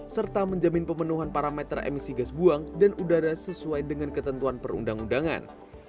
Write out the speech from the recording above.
serta menjamin pemenuhan parameter emisi gas buang dan udara sesuai dengan ketentuan perundang undangan